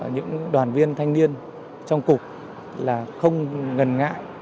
những đoàn viên thanh niên trong cục là không ngần ngại